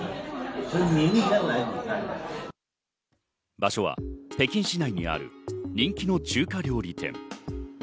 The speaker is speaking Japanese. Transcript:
場所は北京市内にある人気の中華料理店。